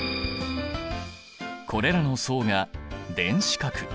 これらの層が電子殻。